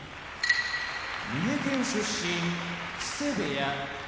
三重県出身木瀬部屋